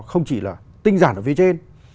không chỉ là tinh giản ở phía trên